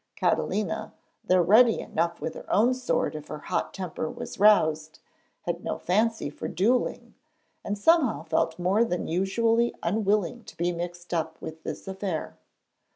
Catalina, though ready enough with her own sword if her hot temper was roused, had no fancy for duelling, and somehow felt more than usually unwilling to be mixed up with this affair.